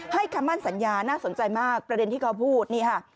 คำมั่นสัญญาน่าสนใจมากประเด็นที่เขาพูดนี่ค่ะ